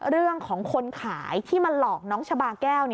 เรื่องของคนขายที่มาหลอกน้องชาบาแก้ว